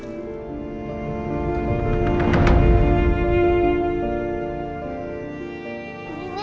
anak bernama ninding